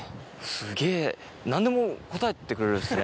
すげぇ何でも答えてくれるんすね。